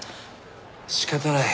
仕方ない。